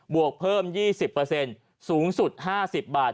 วกเพิ่ม๒๐สูงสุด๕๐บาท